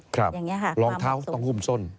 ครับรองเท้าต้องหุ้มส้น